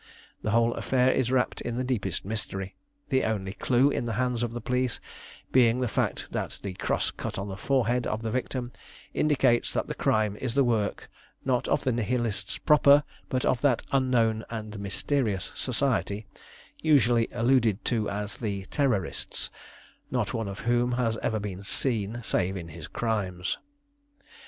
The whole affair is wrapped in the deepest mystery, the only clue in the hands of the police being the fact that the cross cut on the forehead of the victim indicates that the crime is the work, not of the Nihilists proper, but of that unknown and mysterious society usually alluded to as the Terrorists, not one of whom has ever been seen save in his crimes.